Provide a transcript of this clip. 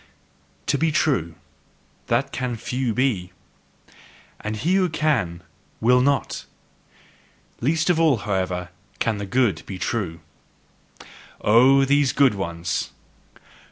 To be true that CAN few be! And he who can, will not! Least of all, however, can the good be true. Oh, those good ones!